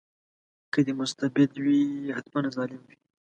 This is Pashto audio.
که دی مستبد وي حتماً ظالم وي.